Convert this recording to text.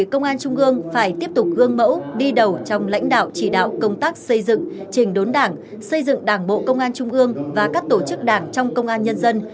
công an trung ương phải tiếp tục gương mẫu đi đầu trong lãnh đạo chỉ đạo công tác xây dựng trình đốn đảng xây dựng đảng bộ công an trung ương và các tổ chức đảng trong công an nhân dân